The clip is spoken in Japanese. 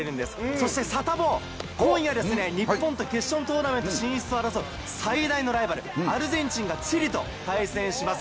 そしてサタボー、今夜、日本と決勝トーナメント進出を争う最大のライバル、アルゼンチンがチリと対戦します。